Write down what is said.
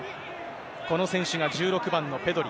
この選手が１６番のペドリ。